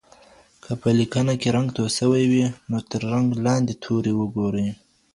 که په لیکنه رنګ توی سوی وي نو تر رنګ لاندې توري وګورئ.